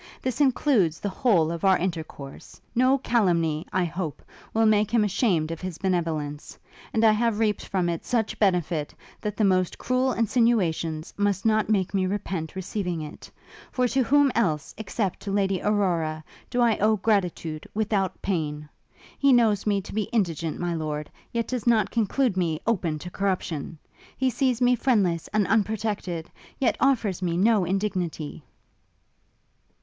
This includes the whole of our intercourse! No calumny, I hope, will make him ashamed of his benevolence; and I have reaped from it such benefit, that the most cruel insinuations must not make me repent receiving it; for to whom else, except to Lady Aurora, do I owe gratitude without pain? He knows me to be indigent, my lord, yet does not conclude me open to corruption! He sees me friendless and unprotected, yet offers me no indignity!'